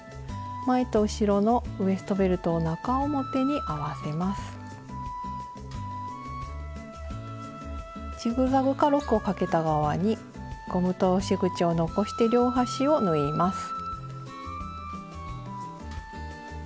前と後ろのウエストベルトをジグザグかロックをかけた側にゴム通し口を残して両端を縫います。